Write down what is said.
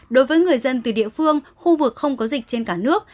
đối với người dân từ địa phương khu vực không có dịch trên cả nước